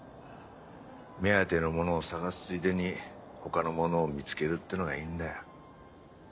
目当てのものを探すついでに他のものを見つけるってのがいいんだよ。